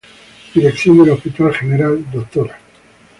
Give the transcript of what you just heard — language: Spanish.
Dirección del Hospital General: Dra.